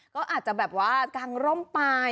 ก็อาจจะแบบว่ากางร่มไป